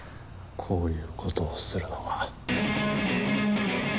こういう事をするのは。